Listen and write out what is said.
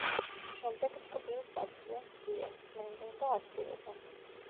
შემდეგ ტკბილს აცლიან სვიას, წმენდენ და აცივებენ.